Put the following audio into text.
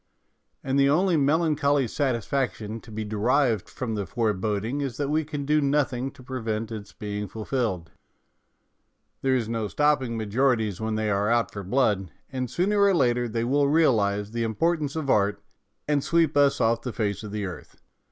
And the only melancholy satisfaction to be derived from the foreboding is that we can do nothing to prevent its being fulfilled. There is no stopping majorities when they are out for blood, and sooner or later they will realize the importance of art, and sweep us off the face of the earth.